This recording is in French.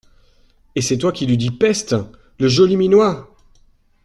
Et c’est toi qui lui dis : Peste ! le joli minois !